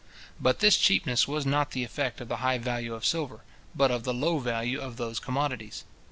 But this cheapness was not the effect of the high value of silver, but of the low value of those commodities.